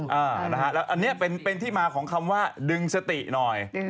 อันนี้เป็นที่มาของคำว่าดึงสติหน่อย